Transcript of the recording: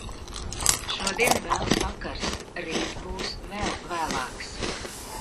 Šodien vēls vakars, rīt būs vēl vēlāks.